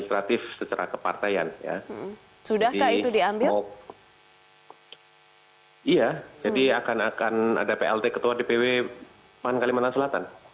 iya jadi akan ada plt ketua dpw pan kalimantan selatan